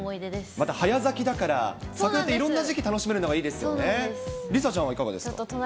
また早咲きだから、桜っていろんな時期楽しめるのがいいですよね。